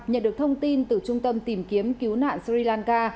nhận được thông tin từ trung tâm tìm kiếm cứu nạn sri lanka